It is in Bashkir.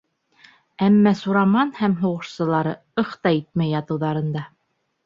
Әммә Сураман һәм һуғышсылары «ых!» та итмәй ятыуҙарында.